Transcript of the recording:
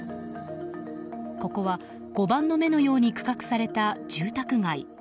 ここは、碁盤の目のように区画された住宅街。